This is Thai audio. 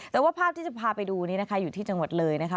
แต่ว่าภาพที่จะพาไปดูนี้นะคะอยู่ที่จังหวัดเลยนะคะ